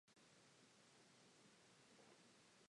Bell trained as nurse at Royal Prince Alfred Hospital in Sydney.